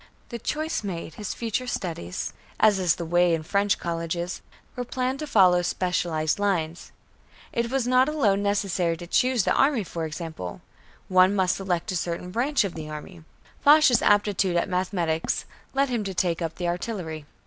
The choice made, his future studies, as is the way in French colleges, were planned to follow specialized lines. It was not alone necessary to choose the army, for example, one must select a certain branch of the army. Foch's aptitude at mathematics led him to take up the artillery.